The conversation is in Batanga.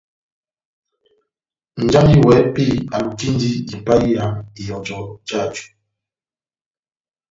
Nʼjanji wɛ́hɛ́pi alukindi ipahiya ihɔjɔ jáju.